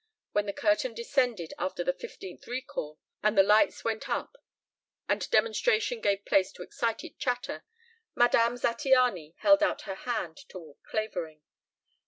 When the curtain descended after the fifteenth recall and the lights went up and demonstration gave place to excited chatter, Madame Zattiany held out her hand toward Clavering.